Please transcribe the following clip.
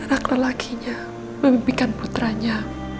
memimpikan anak lelakinya memimpikan putranya